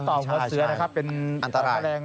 ต่อหัวเสือเป็นอันตราย